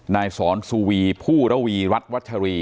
นายสอนสุวีผู้ระวีรัฐวัชรี